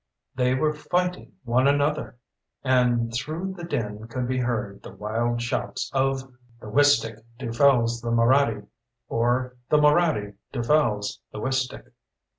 They were fighting one another! And through the din could be heard the wild shouts of "The Wistick dufels the Moraddy!" or "The Moraddy dufels the Wistick!"